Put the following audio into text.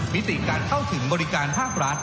มิติการเข้าถึงบริการภาครัฐ